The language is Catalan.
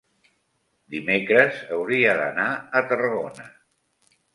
dimecres hauria d'anar a Tarragona.